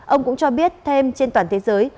ông cũng cho biết thêm trên toàn thế giới